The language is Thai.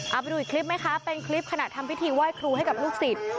เอาไปดูอีกคลิปไหมคะเป็นคลิปขณะทำพิธีไหว้ครูให้กับลูกศิษย์